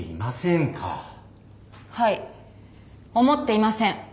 思っていません。